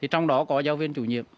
trong đó có giáo viên chủ nhiệm